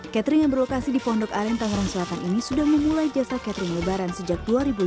catering yang berlokasi di pondok aren tangerang selatan ini sudah memulai jasa catering lebaran sejak dua ribu lima belas